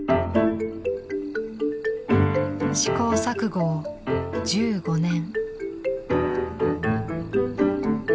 試行錯誤を１５年。